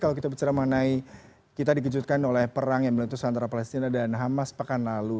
kalau kita bicara mengenai kita dikejutkan oleh perang yang meletus antara palestina dan hamas pekan lalu